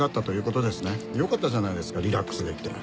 よかったじゃないですかリラックスできて。